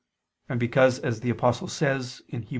And because, as the Apostle says (Heb.